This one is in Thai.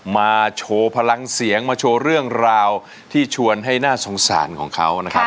มาโชว์พลังเสียงมาโชว์เรื่องราวที่ชวนให้น่าสงสารของเขานะครับ